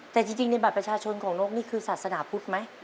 แต่จริงในบัตรประชาชนของนกนี่คือศาสนาพุทธไหม